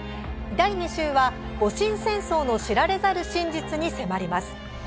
第２集は、戊辰戦争の知られざる真実に迫ります。